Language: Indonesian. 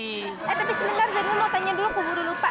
eh tapi sebentar zarina mau tanya dulu aku buru lupa